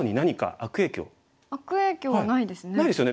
悪影響はないですね。